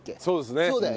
そうですね。